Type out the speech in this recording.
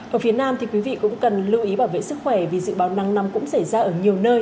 ở phía nam thì quý vị cũng cần lưu ý bảo vệ sức khỏe vì dự báo nắng nóng cũng xảy ra ở nhiều nơi